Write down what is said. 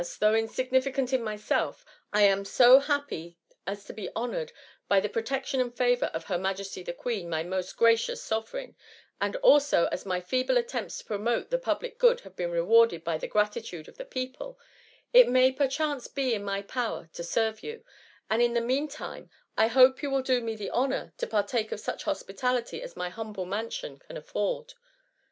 145 though insignificant in myself, lam so happy as to be honoured by the protection and favour of her Majesty the Queen, my most gracious sovereign ; and also a» my feeble attempts to promote the public good have been rewarded by the gratitude of the people; it may per chance be in my power to serve you; and iu the meantime I hope you will do me the ho nour to partake of such hospitality as my hum ble mansion can afford.